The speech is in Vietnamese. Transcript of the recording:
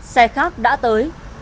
xe khác đã tới